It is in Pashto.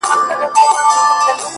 خیر حتمي کارونه مه پرېږده ـ کار باسه ـ